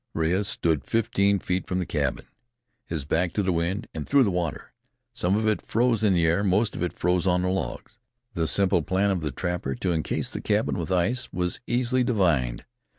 Rea stood fifteen feet from the cabin, his back to the wind, and threw the water. Some of it froze in the air, most of it froze on the logs. The simple plan of the trapper to incase the cabin with ice was easily divined.